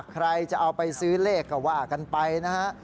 ใครจะเอาไปซื้อเลขก็ว่ากันไปนะฮะ